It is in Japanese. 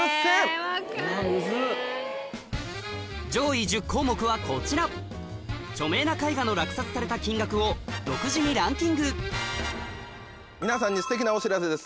上位１０項目はこちら著名な絵画の落札された金額を独自にランキングさぁ急いで。